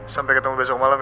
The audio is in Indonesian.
sampai ketemu besok malem ya